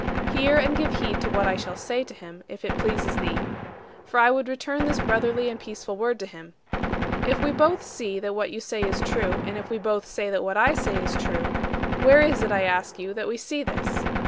Hear and give heed to what I shall say to him, if it pleases thee. For I would return this brotherly and peaceful word to him: "If we both see that what you say is true, and if we both say that what I say is true, where is it, I ask you, that we see this?